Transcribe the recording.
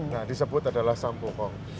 nah disebut adalah sampokong